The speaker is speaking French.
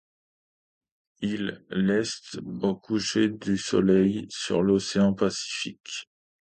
Il l'est au coucher du soleil sur l'océan Pacifique.